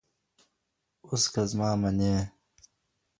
اوس که زما منۍ